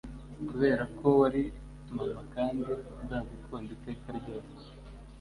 kuberako wari mama kandi nzagukunda iteka ryose